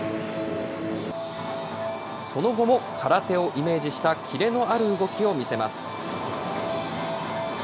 その後も空手をイメージしたキレのある動きを見せます。